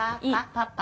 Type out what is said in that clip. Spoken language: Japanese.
パパ。